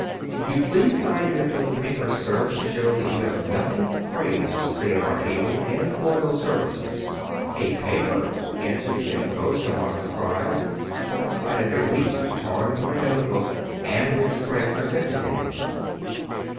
"Would you please sign this little paper, sir, to show that you have nothing but praise to say of our able and loyal services ?"" A paper !" answered Kin Fo, somewhat sur prised at the sight of a leaf torn from a note book, and which Craig presented him.